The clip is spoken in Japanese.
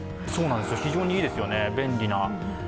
非常にいいですよね、便利な。